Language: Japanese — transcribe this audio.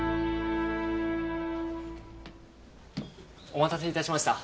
お待たせ致しました。